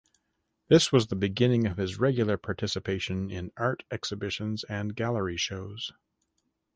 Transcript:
This was the beginning of his regular participation in art exhibitions and gallery shows.